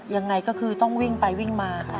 ยังไงก็คือต้องวิ่งไปวิ่งมาค่ะ